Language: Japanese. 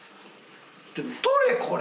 取れこれ！